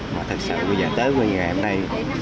mà thật sự bây giờ tới với ngày hôm nay